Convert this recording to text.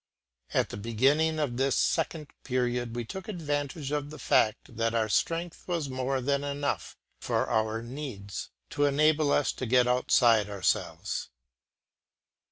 At the beginning of this second period we took advantage of the fact that our strength was more than enough for our needs, to enable us to get outside ourselves.